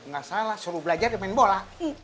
gak salah suruh belajar di main bola